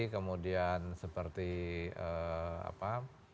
kemudian seperti apa